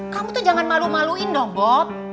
kamu tuh jangan malu maluin dong bok